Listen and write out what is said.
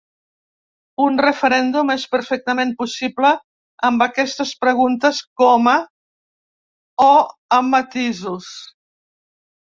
Un referèndum és perfectament possible amb aquestes preguntes coma o amb matisos.